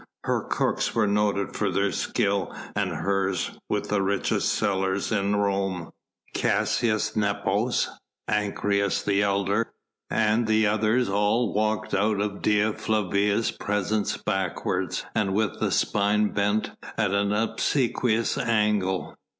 Her cooks were noted for their skill and hers were the richest cellars in Rome. Caius Nepos, Ancyrus, the elder, and the others all walked out of Dea Flavia's presence backwards and with spine bent at an obsequious angle.